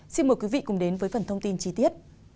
xin mời quý vị cùng đến với phần thông tin chi tiết